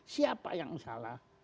siapa yang salah